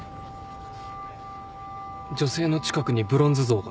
女性の近くにブロンズ像が。